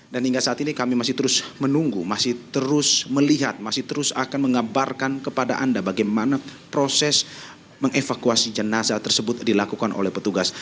dan hingga saat ini kami masih terus menunggu masih terus melihat masih terus akan menggambarkan kepada anda bagaimana proses mengevakuasi jenazah tersebut dilakukan oleh petugas